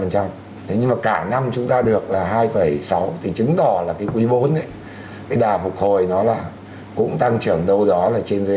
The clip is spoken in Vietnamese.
thế nhưng mà cả năm chúng ta được là hai sáu thì chứng tỏ là cái quý bốn ấy cái đà phục hồi nó là cũng tăng trưởng đâu đó là trên dưới